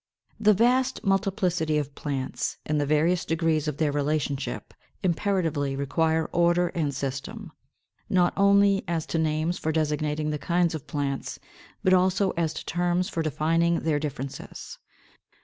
The vast multiplicity of plants and the various degrees of their relationship imperatively require order and system, not only as to names for designating the kinds of plants, but also as to terms for defining their differences.